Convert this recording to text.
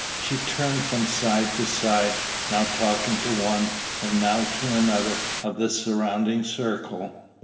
She turned from side to side, now talking to one, and now to another of the surrounding circle.